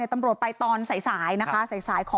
ปี๖๕วันเกิดปี๖๔ไปร่วมงานเช่นเดียวกัน